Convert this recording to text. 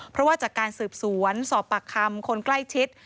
เพราะว่าจากการสืบสวนสอบปากคำคนใกล้ชิด